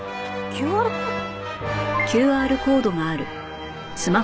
ＱＲコード？